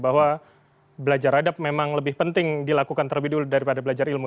bahwa belajar adab memang lebih penting dilakukan terlebih dulu daripada belajar ilmu